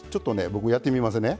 僕やってみますね。